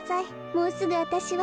もうすぐわたしは。